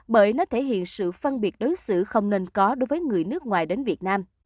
bởi nó thể hiện sự phân biệt đối xử không nên có đối với người nước ngoài đến việt nam